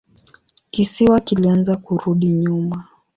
Kisiwa kilianza kurudi nyuma.